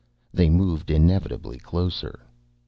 They moved inevitably closer....